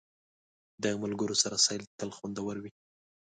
د ملګرو سره سیل تل خوندور وي.